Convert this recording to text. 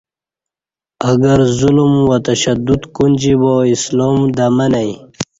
اگر ظلم وتشدد کونجی با اسلام دمہ نئی